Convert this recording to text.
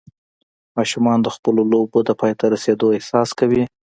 ماشومان د خپلو لوبو د پای ته رسېدو احساس کوي.